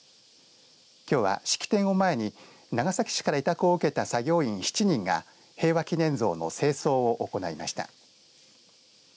きょうは式典を前に長崎市から委託を受けた作業員７人が平和祈念像の清掃を行いました。